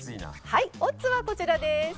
はいオッズはこちらです。